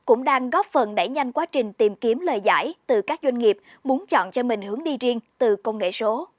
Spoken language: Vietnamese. các doanh nghiệp cũng đang góp phần đẩy nhanh quá trình tìm kiếm lợi giải từ các doanh nghiệp muốn chọn cho mình hướng đi riêng từ công nghệ số